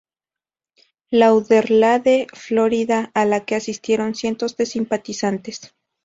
Lauderdale, Florida, a la que asistieron cientos de simpatizantes.